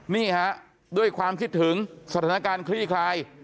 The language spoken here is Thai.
นี่ฮะด้วยความคิดถึงสถานการณ์คลี่คลาย